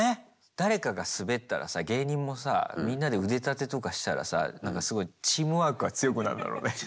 誰かがスベったらさ芸人もさみんなで腕立てとかしたらさなんかすごいチームワークが強くなんだろうね。